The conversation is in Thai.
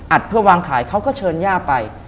อัดเพื่อวางขายเขาก็เชิญหญ้าไป